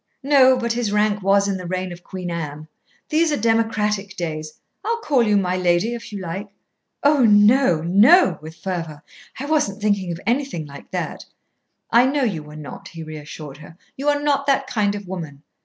"No. But his rank was, in the reign of Queen Anne. These are democratic days. I'll call you 'my lady' if you like." "Oh! No no!" with fervour, "I wasn't thinking of anything like that." "I know you were not," he reassured her. "You are not that kind of woman."